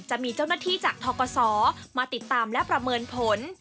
จะมีเจ้าหน้าที่จากทกศมาติดตามและประเมินผล